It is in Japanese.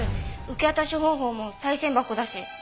受け渡し方法も賽銭箱だし。